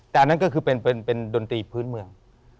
แต่อันนั้นก็คือเป็นดนตรีพื้นเมือง